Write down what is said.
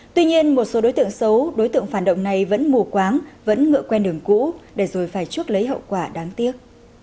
tuy nhiên một số đối tượng xấu đối tượng phản động này vẫn mù quáng vẫn ngựa quen đường cũ để rồi phải chuốc lấy hậu quả đáng tiếc